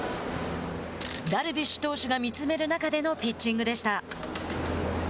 ダルビッシュ投手が見つめる中でのピッチングでした。